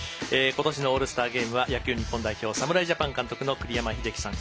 ことしのオールスターゲームは野球日本代表侍ジャパン監督の栗山英樹さん